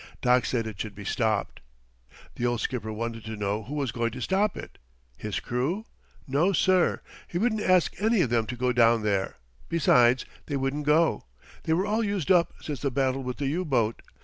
Doc said it should be stopped. The old skipper wanted to know who was going to stop it. His crew? No, sir. He wouldn't ask any of 'em to go down there besides, they wouldn't go. They were all used up since the battle with the U boat.